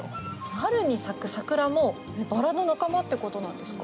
春に咲く桜もバラの仲間ってことなんですか？